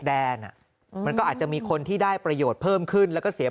อ่ะมันก็อาจจะมีคนที่ได้ประโยชน์เพิ่มขึ้นแล้วก็เสีย